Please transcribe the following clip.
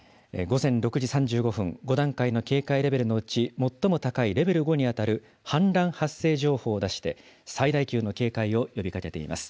午前６時３５分、５段階の警戒レベルのうち最も高いレベル５に当たる氾濫発生情報を出して、最大級の警戒を呼びかけています。